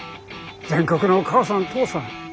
全国のお母さんお父さん